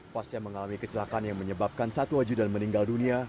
pas yang mengalami kecelakaan yang menyebabkan satu ajudan meninggal dunia